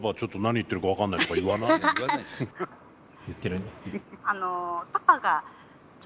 言ってるね。